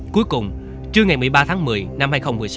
cuối cùng trưa ngày một mươi ba tháng một mươi năm hai nghìn một mươi sáu